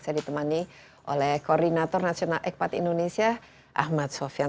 saya ditemani oleh koordinator nasional ekpat indonesia ahmad sofyan